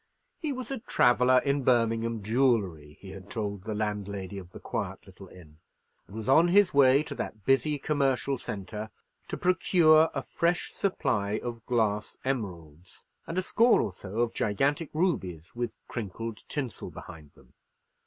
He was a traveller in Birmingham jewellery, he told the landlady of the quiet little inn, and was on his way to that busy commercial centre to procure a fresh supply of glass emeralds, and a score or so of gigantic rubies with crinkled tinsel behind them.